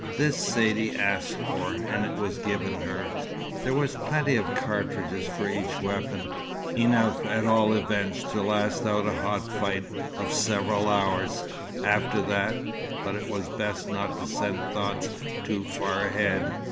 This Saidee asked for, and it was given her. There were plenty of cartridges for each weapon, enough at all events to last out a hot fight of several hours. After that but it was best not to send thoughts too far ahead.